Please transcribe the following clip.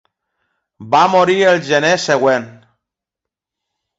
Va morir el gener següent.